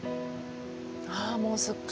ああもうすっかり。